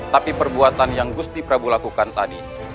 tapi perbuatan yang gusti prabu lakukan tadi